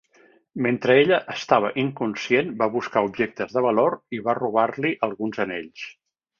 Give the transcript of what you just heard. Mentre ella estava inconscient, va buscar objectes de valor i va robar-li alguns anells.